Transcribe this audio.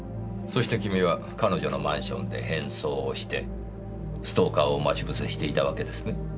そして君は彼女のマンションで変装をしてストーカーを待ち伏せしていたわけですね。